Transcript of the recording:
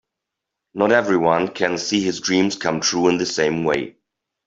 Not everyone can see his dreams come true in the same way.